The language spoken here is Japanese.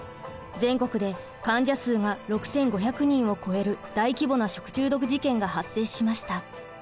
全国で患者数が６，５００人を超える大規模な食中毒事件が発生しました。